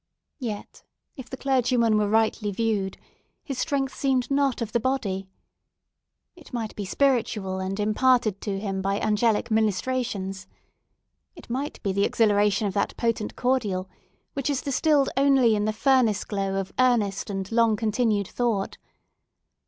Yet, if the clergyman were rightly viewed, his strength seemed not of the body. It might be spiritual and imparted to him by angelical ministrations. It might be the exhilaration of that potent cordial which is distilled only in the furnace glow of earnest and long continued thought.